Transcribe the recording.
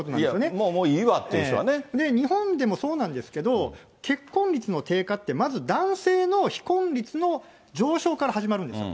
もうもういいわっていう人が日本でもそうなんですけど、結婚率の低下ってまず男性の非婚率の上昇から始まるんですよ。